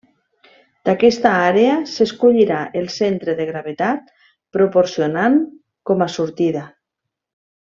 D'aquesta àrea s'escollirà el centre de gravetat, proporcionant com a sortida.